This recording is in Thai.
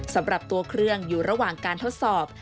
สำหรับตัวเครื่องอยู่ระหว่างการทดสอบ